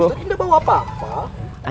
tapi tidak bawa apa apa